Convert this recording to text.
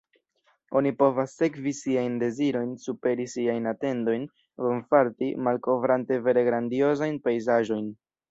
Oni povas sekvi siajn dezirojn, superi siajn atendojn, bonfarti, malkovrante vere grandiozajn pejzaĝojn!